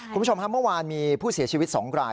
คุณผู้ชมครับเมื่อวานมีผู้เสียชีวิต๒ราย